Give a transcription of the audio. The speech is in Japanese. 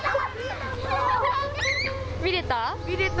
見れた。